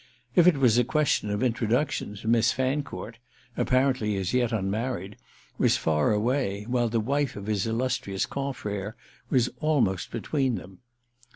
If it was a question of introductions Miss Fancourt—apparently as yet unmarried—was far away, while the wife of his illustrious confrère was almost between them.